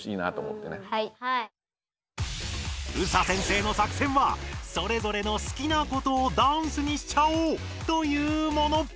ＳＡ先生の作戦はそれぞれの好きなことをダンスにしちゃおうというもの。